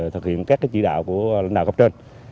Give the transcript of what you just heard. thực hiện các chỉ đạo của lãnh đạo cấp trên